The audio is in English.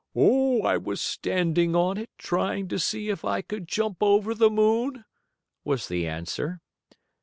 "Oh, I was standing on it, trying to see if I could jump over the moon," was the answer.